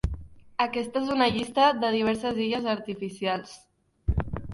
Aquesta és una llista de diverses illes artificials.